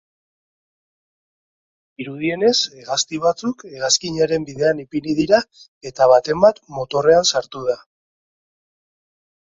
Dirudienez hegazti batzuk hegazkinaren bidean ipini dira eta baten bat motorrean sartu da.